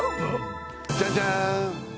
じゃんじゃーん！